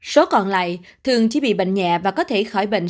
số còn lại thường chỉ bị bệnh nhẹ và có thể khỏi bệnh